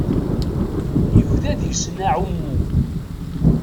Yebda deg-sen aɛummu.